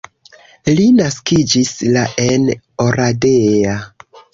Li naskiĝis la en Oradea.